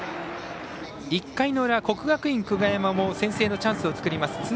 １回の裏、国学院久我山も先制のチャンスを作ります。